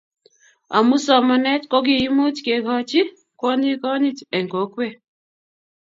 amu somanet kokiimuch kekochi kwonyik konyit en kokwee